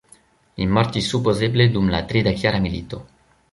Li mortis supozeble dum la tridekjara milito.